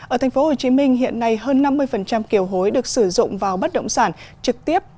ở tp hcm hiện nay hơn năm mươi kiều hối được sử dụng vào bất động sản trực tiếp